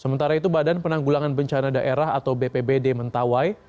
sementara itu badan penanggulangan bencana daerah atau bpbd mentawai